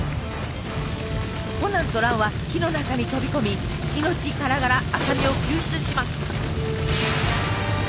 コナンと蘭は火の中に飛び込み命からがら麻美を救出します。